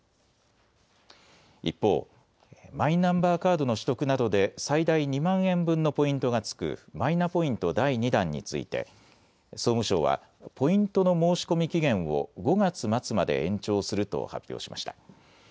一方、マイナンバーカードの取得などで最大２万円分のポイントが付くマイナポイント第２弾について総務省はポイントの申し込み期限を５月末まで延長すると発表しました。